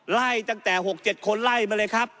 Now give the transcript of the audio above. ไล่ตั้งแต่๖๗คนไล่มาเลยครับ